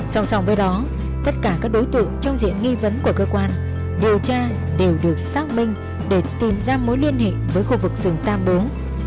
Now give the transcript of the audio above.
song song với đó tất cả các đối tượng trong diện nghi vấn của cơ quan điều tra đều được xác minh để tìm ra mối liên hệ với khu vực rừng tam bố